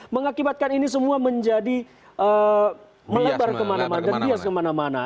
mengakibatkan ini semua menjadi melebar kemana mana